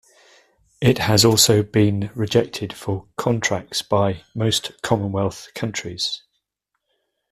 It has also been rejected for contracts by most Commonwealth countries.